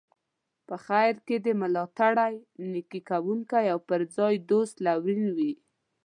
په خیر کې دي ملاتړی، نیکي کوونکی او پر خپل دوست لورین وي.